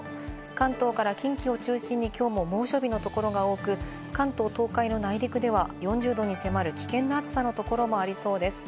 関東から近畿を中心にきょうも猛暑日のところが多く、関東、東海の内陸では４０℃に迫る危険な暑さのところもありそうです。